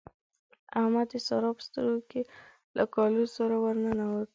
احمد د سارا په سترګو کې له کالو سره ور ننوت.